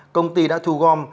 công ty đã thu gom